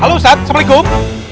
halo ustadz assalamualaikum